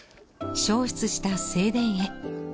焼失した正殿へ。